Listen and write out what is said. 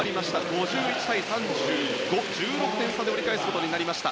５１対３５、１６点差で折り返すことになりました。